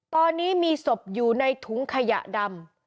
ตอนนี้มีศพอยู่ในถุงขยะดำ